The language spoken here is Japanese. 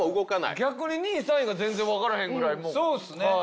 逆に２位３位が全然分からへんぐらい。